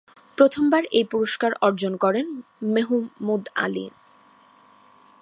প্রথমবার এই পুরস্কার অর্জন করেন মেহমুদ আলি।